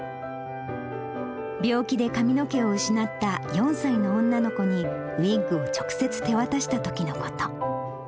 病気で髪の毛を失った４歳の女の子に、ウイッグを直接手渡したときのこと。